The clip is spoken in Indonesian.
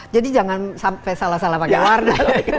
jadi jangan sampai salah salah pakai warna